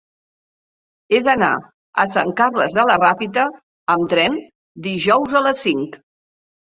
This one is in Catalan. He d'anar a Sant Carles de la Ràpita amb tren dijous a les cinc.